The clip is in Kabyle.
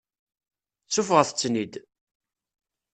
Seffɣet-ten-id.